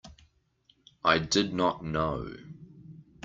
I did not know.